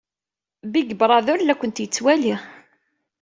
Big Brother la kent-yettwali.